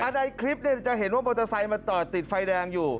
ในคลิปจะเห็นว่ามอเตอร์ไซค์มาจอดติดไฟแดงอยู่